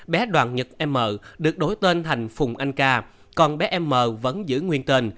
bé đoàn nhật m được đổi tên thành phùng anh ca còn bé m vẫn giữ nguyên tên